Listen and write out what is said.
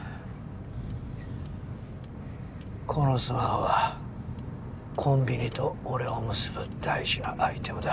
このスマホはコンビニと俺を結ぶ大事なアイテムだ。